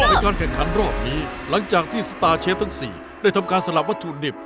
ในการแข่งขันรอบนี้หลังจากที่สตาร์เชฟทั้ง๔ได้ทำการสลับวัตถุดิบ